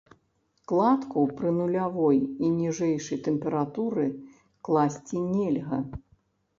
Кладку пры нулявой і ніжэйшай тэмпературы класці нельга.